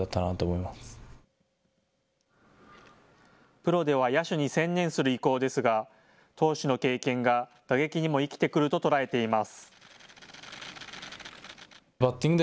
プロでは野手に専念する意向ですが、投手の経験が打撃にも生きてくると捉えています。